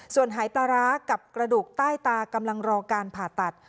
ส่วนหายปลาร้ากับกระดูกใต้ตากำลังรอการผ่าตัด